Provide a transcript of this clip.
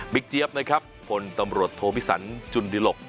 บิ๊กเจี๊ยบนะครับคนตำรวจโทพิษันจุนดิหลก